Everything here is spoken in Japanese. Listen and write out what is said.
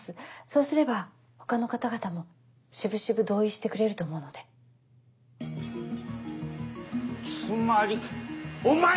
そうすれば他の方々も渋々同意してくれると思うのでつまりお前！